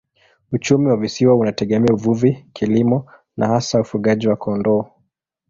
Uchumi wa visiwa unategemea uvuvi, kilimo na hasa ufugaji wa kondoo.